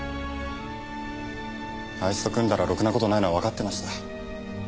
あいつと組んだらろくな事ないのはわかってました。